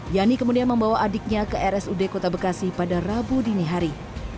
yani kemudian membawa adiknya ke rsud kota bekasi pada rabu dini hari